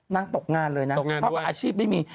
ตกงานเลยนะเพราะว่าอาชีพไม่มี